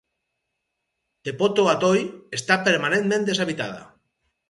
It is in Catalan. Tepoto Atoll està permanentment deshabitada.